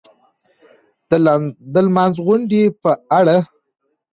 د لمانځغونډې په اړه